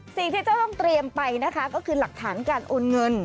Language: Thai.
สิ่งที่จะต้องเตรียมไปนะคะก็คือหลักฐานการโอนเงิน